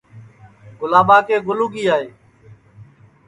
گُلابا کے گُل اُگی گے